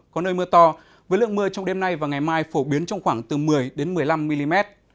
có nơi mưa to với lượng mưa trong đêm nay và ngày mai phổ biến trong khoảng từ một mươi một mươi năm mm